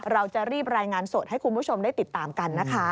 เราจะรีบรายงานสดให้คุณผู้ชมได้ติดตามกันนะคะ